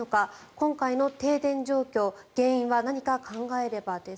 今回の停電状況原因は何か考えればです。